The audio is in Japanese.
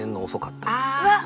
うわっ！